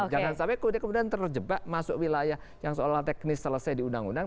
jangan sampai kemudian terjebak masuk wilayah yang seolah olah teknis selesai di undang undang